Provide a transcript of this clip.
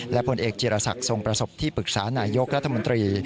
และจิลศัตริย์ซงประสบรัฐมนตรี